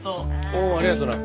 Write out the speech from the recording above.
おおありがとうな。